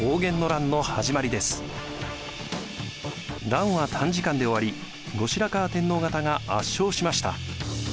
乱は短時間で終わり後白河天皇方が圧勝しました。